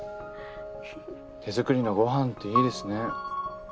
手作りのごはんっていいですね。